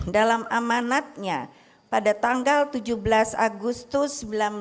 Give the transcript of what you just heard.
dalam amanatnya pada tanggal tujuh belas agustus seribu sembilan ratus empat puluh lima